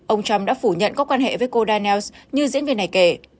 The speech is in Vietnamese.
ông trump đã phủ nhận có quan hệ với cô dhanels như diễn viên này kể